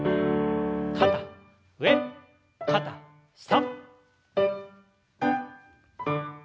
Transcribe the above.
肩上肩下。